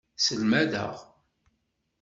Selmadeɣ.